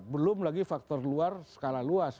belum lagi faktor luar skala luas